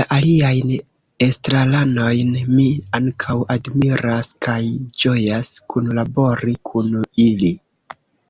La aliajn estraranojn mi ankaŭ admiras kaj ĝojas kunlabori kun ili.